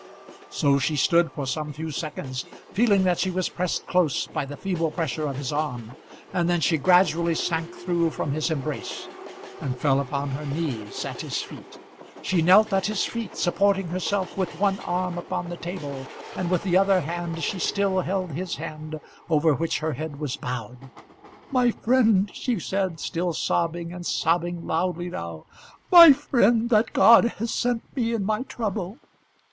So she stood for some few seconds, feeling that she was pressed close by the feeble pressure of his arm, and then she gradually sank through from his embrace, and fell upon her knees at his feet. She knelt at his feet, supporting herself with one arm upon the table, and with the other hand she still held his hand over which her head was bowed. "My friend," she said, still sobbing, and sobbing loudly now; "my friend, that God has sent me in my trouble."